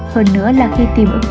hơn nữa là khi tìm ứng ý